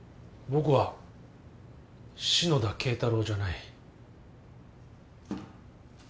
僕は篠田敬太郎じゃない。